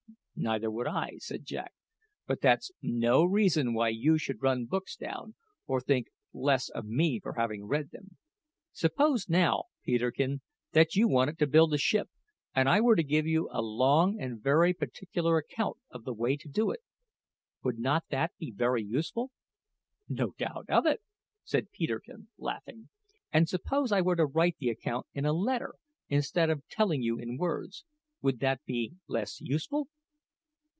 "Neither would I," said Jack; "but that's no reason why you should run books down, or think less of me for having read them. Suppose, now, Peterkin, that you wanted to build a ship, and I were to give you a long and particular account of the way to do it, would not that be very useful?" "No doubt of it," said Peterkin, laughing. "And suppose I were to write the account in a letter instead of telling you in words, would that be less useful?"